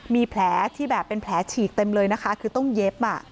มีแผลที่แบบเป็นแผลฉีกเต็มเลยนะคะคือต้องเย็บ